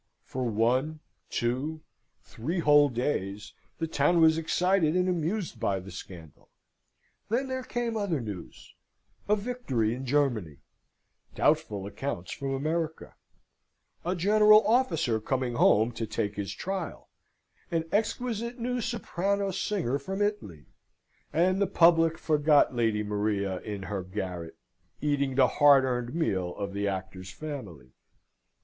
For one, two, three whole days the town was excited and amused by the scandal; then there came other news a victory in Germany; doubtful accounts from America; a general officer coming home to take his trial; an exquisite new soprano singer from Italy; and the public forgot Lady Maria in her garret, eating the hard earned meal of the actor's family.